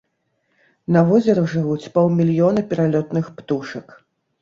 На возеры жывуць паўмільёна пералётных птушак.